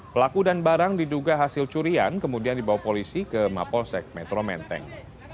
pelaku dan barang diduga hasil curian kemudian dibawa polisi ke mapolsek metro menteng